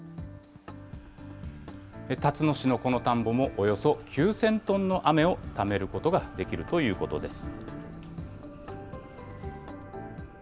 たつの市のこの田んぼも、およそ９０００トンの雨をためることができるということです。